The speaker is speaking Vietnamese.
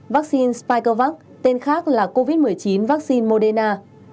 năm vaccine spikervac tên khác là covid một mươi chín vaccine moderna